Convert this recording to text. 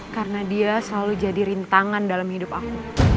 karena dia selalu jadi rintangan dalam hidup aku